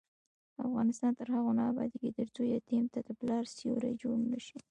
افغانستان تر هغو نه ابادیږي، ترڅو یتیم ته د پلار سیوری جوړ نشي.